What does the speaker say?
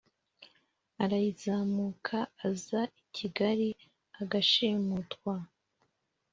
arayizamuka aza ikigali agashimutwa